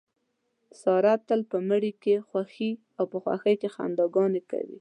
ساره تل په مړي کې خوښي او په خوښۍ کې خندا ګانې کوي.